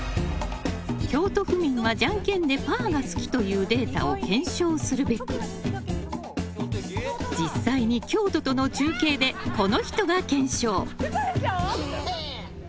京都府民はじゃんけんでパーが好きというデータを検証するべく実際に京都との中継でこの人が検証。